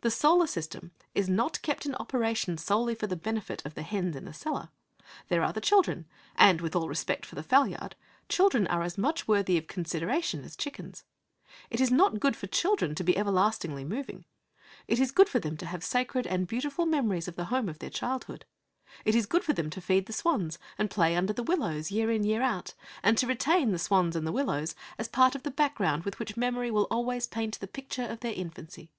The solar system is not kept in operation solely for the benefit of the hens in the cellar. There are the children, and, with all respect for the fowl yard, children are as much worthy of consideration as chickens. It is not good for children to be everlastingly moving. It is good for them to have sacred and beautiful memories of the home of their childhood. It is good for them to feed the swans, and play under the willows, year in and year out, and to retain the swans and the willows as part of the background with which memory will always paint the picture of their infancy.